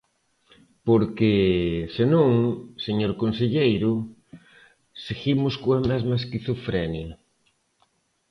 Porque, se non, señor conselleiro, seguimos coa mesma esquizofrenia.